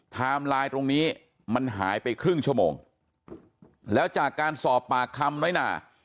ไลน์ตรงนี้มันหายไปครึ่งชั่วโมงแล้วจากการสอบปากคำน้อยหนา